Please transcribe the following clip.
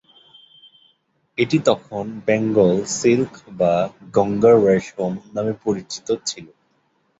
এটি তখন Bengal silk বা গঙ্গার রেশম নামে পরিচিত ছিল।